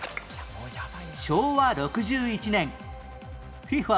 昭和６１年 ＦＩＦＡ